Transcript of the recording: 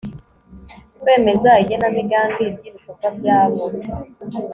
kwemeza igenamigambi ry ibikorwa bya bo